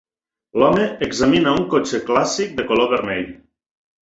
L"home examina un cotxe clàssic de color vermell.